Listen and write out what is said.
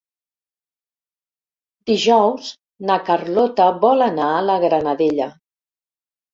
Dijous na Carlota vol anar a la Granadella.